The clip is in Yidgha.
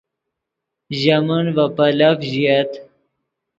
ژے من ڤے پیلف ژییت